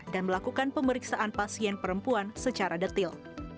dan melakukan pemeriksaan pasien perempuan secara detil